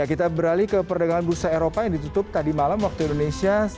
kita beralih ke perdagangan bursa eropa yang ditutup tadi malam waktu indonesia